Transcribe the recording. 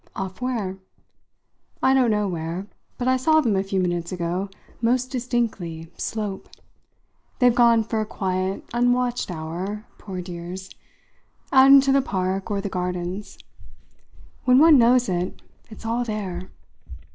"Off where?" "I don't know where, but I saw them a few minutes ago most distinctly 'slope.' They've gone for a quiet, unwatched hour, poor dears, out into the park or the gardens. When one knows it, it's all there.